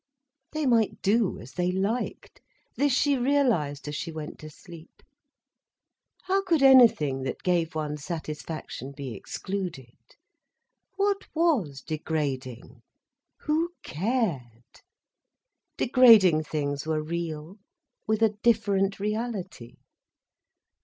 They might do as they liked—this she realised as she went to sleep. How could anything that gave one satisfaction be excluded? What was degrading? Who cared? Degrading things were real, with a different reality.